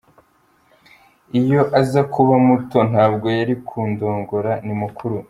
Iyo aza kuba muto ntabwo yari kundongora, ni mukuru.